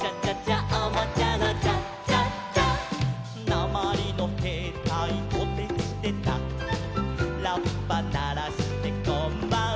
「なまりのへいたいトテチテタ」「ラッパならしてこんばんは」